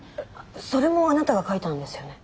それもあなたが書いたんですよね？